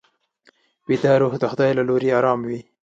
ویده روح د خدای له لوري ارام وي